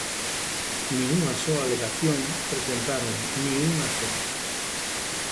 ¡Nin unha soa alegación presentaron nin unha soa!